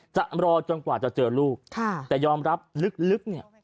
จะรอจนกว่าจะเจอลูกแต่ยอมรับลึกเนี่ย